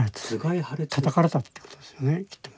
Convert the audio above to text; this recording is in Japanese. たたかれたってことですよねきっと。